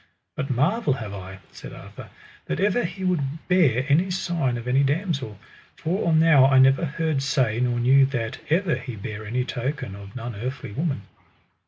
But marvel have I, said Arthur, that ever he would bear any sign of any damosel, for or now I never heard say nor knew that ever he bare any token of none earthly woman.